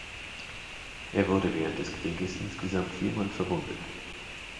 Er wurde während des Krieges insgesamt viermal verwundet.